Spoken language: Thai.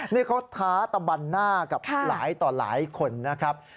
นี่เขาท้าตะบันหน้ากับหลายต่อหลายคนนะครับ